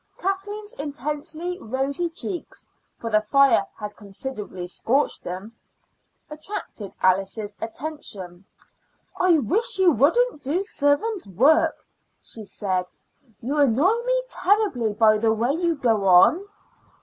Kathleen's intensely rosy cheeks for the fire had considerably scorched them attracted Alice's attention. "I do wish you wouldn't do servant's work," she said. "You annoy me terribly by the way you go on."